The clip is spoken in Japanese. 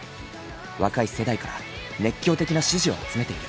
若い世代から熱狂的な支持を集めている。